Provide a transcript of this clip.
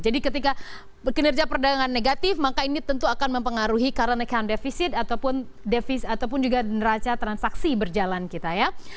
jadi ketika kinerja perdagangan negatif maka ini tentu akan mempengaruhi current account defisit ataupun juga raca transaksi berjalan kita ya